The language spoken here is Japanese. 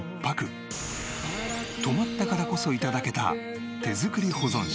泊まったからこそ頂けた手作り保存食。